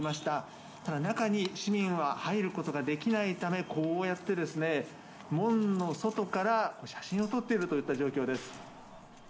ただ、中に市民は入ることができないためこうやって門の外から写真を撮っているという状況です。